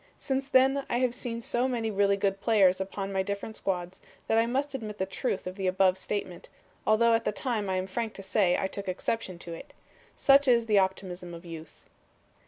Since then I have seen so many really good players upon my different squads that I must admit the truth of the above statement, although at the time I am frank to say I took exception to it. Such is the optimism of youth."